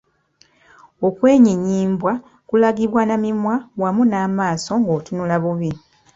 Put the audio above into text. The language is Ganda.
Okwenyinyimbwa kulagibwa na mimwa wamu n’amaaso nga otunula bubi.